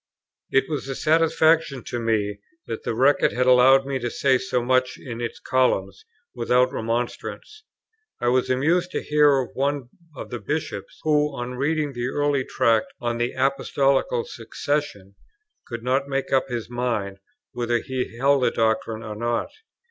It was a satisfaction to me that the Record had allowed me to say so much in its columns, without remonstrance. I was amused to hear of one of the Bishops, who, on reading an early Tract on the Apostolical Succession, could not make up his mind whether he held the doctrine or not.